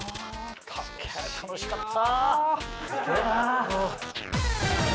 楽しかった。